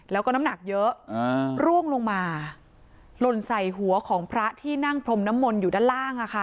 แล้วก็น้ำหนักเยอะร่วงลงมาหล่นใส่หัวของพระที่นั่งพรมน้ำมนต์อยู่ด้านล่าง